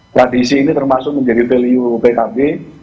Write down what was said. tradisi ini termasuk menjadi value pkb